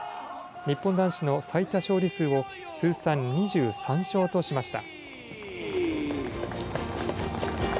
日本男子の最多勝利数を通算２３勝としました。